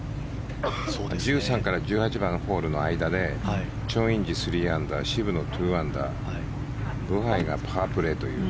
１３番から１８番ホールの間でチョン・インジ、３アンダー渋野、２アンダーブハイがパープレーという